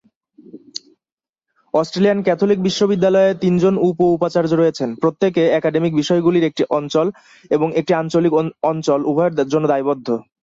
Australian Catholic বিশ্ববিদ্যালয়ে, তিনজন উপ-উপাচার্য রয়েছেন, প্রত্যেকে একাডেমিক বিষয়গুলির একটি অঞ্চল এবং একটি আঞ্চলিক অঞ্চল উভয়ের জন্য দায়বদ্ধ।